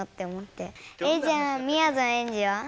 えじゃあみやぞんエンジは？